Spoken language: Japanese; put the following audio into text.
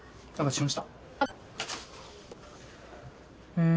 うん。